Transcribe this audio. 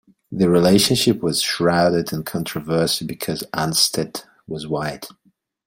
The relationship was shrouded in controversy because Anstett was white.